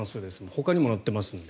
ほかにも載っています。